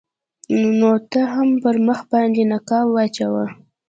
نو ته هم پر مخ باندې نقاب واچوه.